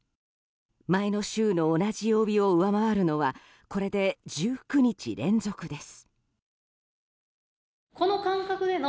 前の週の同じ曜日を上回るのはこれで１９日連続です。